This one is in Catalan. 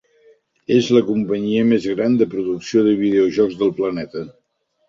És la companyia més gran de producció de videojocs del planeta.